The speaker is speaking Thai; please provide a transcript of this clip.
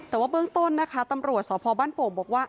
แต่ว่าเบื้องต้นนะคะตำรวจสพบ้านโป่งบอกว่า